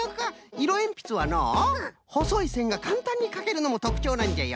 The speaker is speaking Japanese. いろえんぴつはのうほそいせんがかんたんにかけるのもとくちょうなんじゃよ。